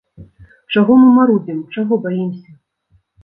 Чаго мы марудзім, чаго баімся?